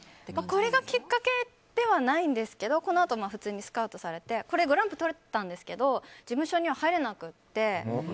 これがきっかけではないんですけどこのあとに普通にスカウトされてグランプリとれたんですけど事務所には入れなくて。